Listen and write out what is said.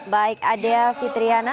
baik adia fitriana